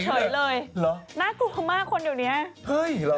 เฮ้ยแล้วกลับมากันนะ